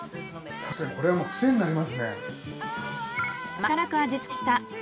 確かにこれは癖になりますね。